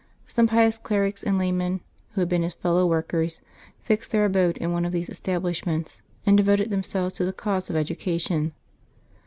Some pious clerics and laymen, who had been his fellow workers, fixed their abode in one of these establishments, and devoted themselves to the cause of education.